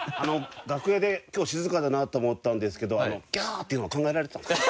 楽屋で今日静かだなと思ってたんですけどあの「ギャーッ！！」っていうのは考えられてたんですか？